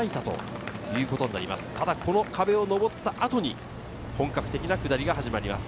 ただこの壁を上った後に本格的な下りとなります。